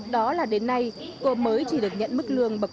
đó là đến nay cô mới chỉ được nhận mức lương bậc bốn